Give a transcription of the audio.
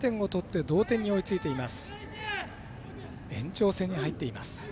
延長戦に入っています。